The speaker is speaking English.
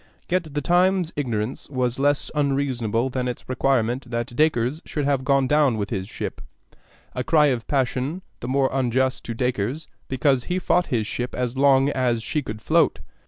Yet the Times's ignorance was less unreasonable than its requirement that Dacres should have gone down with his ship, a cry of passion the more unjust to Dacres because he fought his ship as long as she could float.